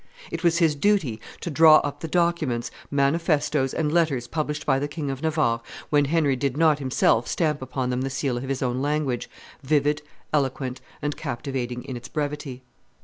It was his duty to draw up the documents, manifestoes, and letters published by the King of Navarre, when Henry did not himself stamp upon them the seal of his own language, vivid, eloquent, and captivating in its brevity.